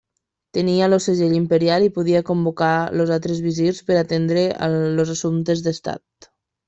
Tenia el segell imperial i podia convocar els altres visirs per atendre els assumptes d’estat.